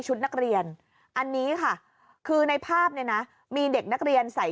นักเรียนอันนี้ค่ะคือในภาพเนี่ยนะมีเด็กนักเรียนใส่